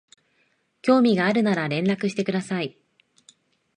興味があるなら連絡してください